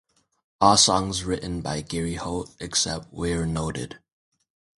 All songs written by Gary Holt except where noted.